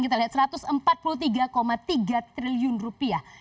kita lihat satu ratus empat puluh tiga tiga triliun rupiah